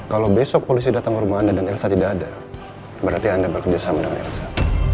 kalau besok polisi datang ke rumah anda dan elsa tidak ada berarti anda bekerja sama dengan elsa